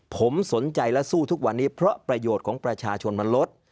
ผมสนใจและสู้ทุกวันนี้เพราะประโยชน์ของประชาชนมันลด